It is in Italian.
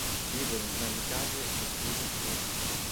Vivono in grandi case costruite su palafitte.